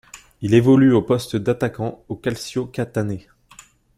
Il évolue au poste d'attaquant au Calcio Catane.